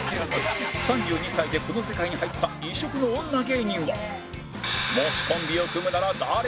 ３２歳でこの世界に入った異色の女芸人はもしコンビを組むなら誰を選ぶ！？